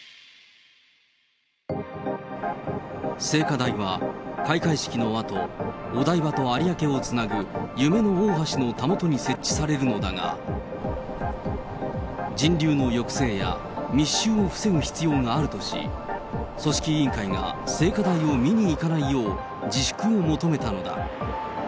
聖火台は開会式のあと、お台場と有明をつなぐ夢の大橋のたもとに設置されるのだが、人流の抑制や密集を防ぐ必要があるとし、組織委員会が、聖火台を見にいかないよう自粛を求めたのだ。